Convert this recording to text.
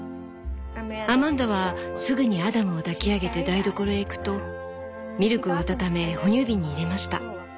「アマンダはすぐにアダムを抱き上げて台所へ行くとミルクを温め哺乳瓶に入れました。